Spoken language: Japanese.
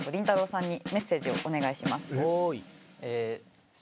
さんにメッセージをお願いします。